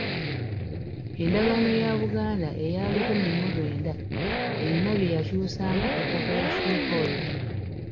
Endagaano ya Buganda eya lukumi mu lwenda erina bye yakyusaamu ku ttaka lya freehold.